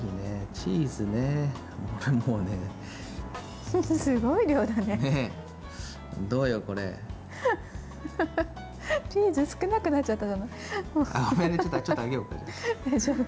チーズ少なくなっちゃった。